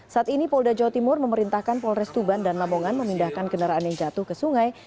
saat ini polda jawa timur memerintahkan polres tuban dan lamongan memindahkan kendaraan yang jatuh ke sungai